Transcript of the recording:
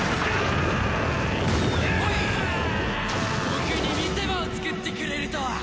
僕に見せ場を作ってくれるとは。